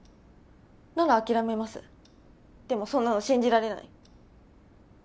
なら諦めますでもそんなの信じられない